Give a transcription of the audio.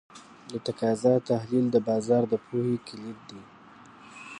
د تقاضا تحلیل د بازار د پوهې کلید دی.